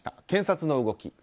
検察の動き。